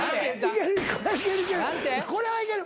いける。